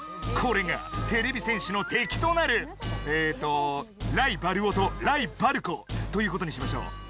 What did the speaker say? これがてれび戦士のてきとなるえと「ライバルオ」と「ライバルコ」ということにしましょう。